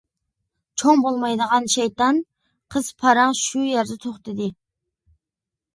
چوڭ بولمايدىغان شەيتان قىز. پاراڭ شۇ يەردە توختىدى.